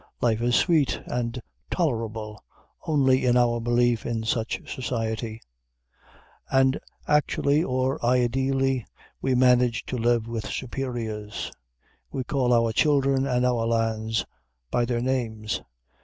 Life is sweet and tolerable only in our belief in such society; and actually or ideally we manage to live with superiors. We call our children and our lands by their names.